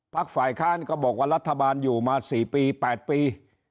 ฝ่ายค้านก็บอกว่ารัฐบาลอยู่มา๔ปี๘ปี